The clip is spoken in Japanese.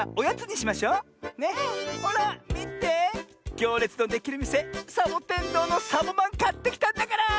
ぎょうれつのできるみせサボテンどうのサボまんかってきたんだから！